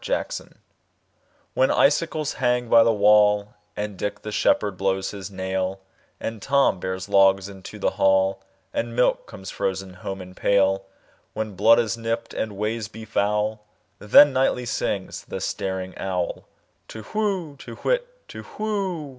Winter WHEN icicles hang by the wallAnd Dick the shepherd blows his nail, And Tom bears logs into the hall, And milk comes frozen home in pail; When blood is nipt, and ways be foul, Then nightly sings the staring owlTu whoo! To whit, Tu whoo!